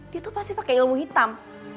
dia tuh pasti pakai ilmu hitam